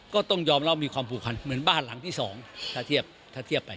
ก็ต้องยอมเรามีความผูกพันธุ์เหมือนบ้านหลังที่สองถ้าเทียบไป